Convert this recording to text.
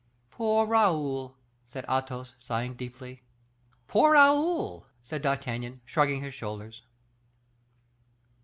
"Poor Raoul!" said Athos, sighing deeply. "Poor Raoul!" said D'Artagnan, shrugging his shoulders.